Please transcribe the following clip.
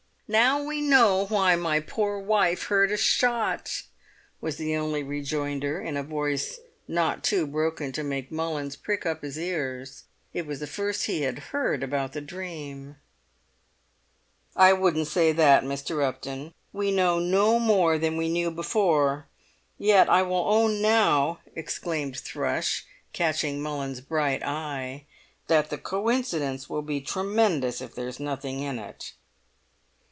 "Now we know why my poor wife heard a shot!" was the only rejoinder, in a voice not too broken to make Mullins prick up his ears; it was the first he had heard about the dream. "I wouldn't say that, Mr. Upton. We know no more than we knew before. Yet I will own now," exclaimed Thrush, catching Mullins's bright eye, "that the coincidence will be tremendous if there's nothing in it!"